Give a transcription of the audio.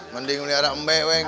mending melihara embek weng